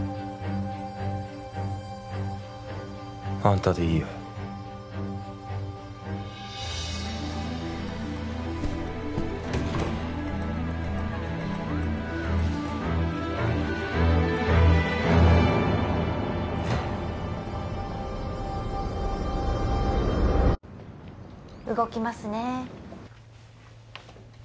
あんたでいいよ動きますね